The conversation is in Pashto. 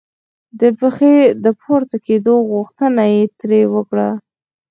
د پښې د پورته کېدو غوښتنه یې ترې وکړه.